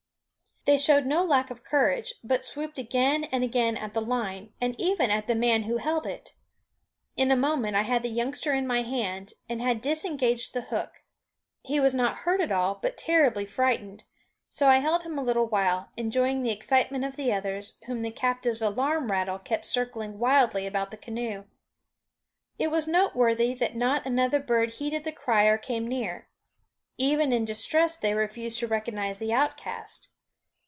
They showed no lack of courage, but swooped again and again at the line, and even at the man who held it. In a moment I had the youngster in my hand, and had disengaged the hook. He was not hurt at all, but terribly frightened; so I held him a little while, enjoying the excitement of the others, whom the captive's alarm rattle kept circling wildly about the canoe. It was noteworthy that not another bird heeded the cry or came near. Even in distress they refused to recognize the outcast.